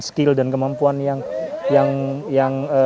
skill dan kemampuan yang